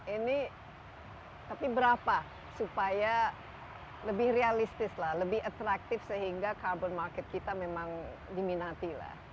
ini tapi berapa supaya lebih realistis lah lebih atraktif sehingga carbon market kita memang diminati lah